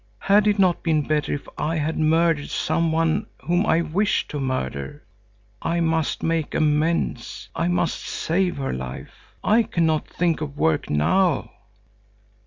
Had it not been better if I had murdered some one whom I wished to murder. I must make amends. I must save her life. I cannot think of work now."